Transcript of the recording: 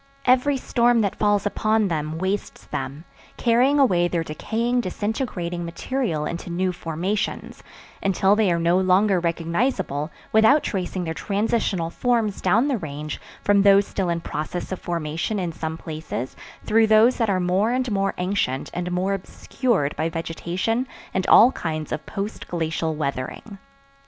Every storm that falls upon them wastes them, carrying away their decaying, disintegrating material into new formations, until they are no longer recognizable without tracing their transitional forms down the Range from those still in process of formation in some places through those that are more and more ancient and more obscured by vegetation and all kinds of post glacial weathering.